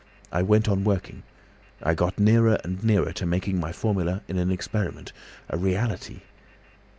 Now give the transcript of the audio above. I went on working; I got nearer and nearer making my formula into an experiment, a reality.